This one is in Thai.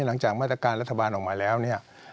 หลังจากมาตรการรัฐบาลออกมาแล้วเนี่ย